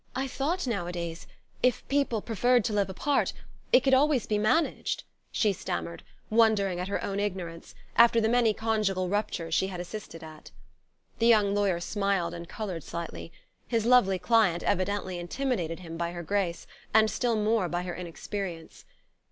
"I thought nowadays... if people preferred to live apart... it could always be managed," she stammered, wondering at her own ignorance, after the many conjugal ruptures she had assisted at. The young lawyer smiled, and coloured slightly. His lovely client evidently intimidated him by her grace, and still more by her inexperience.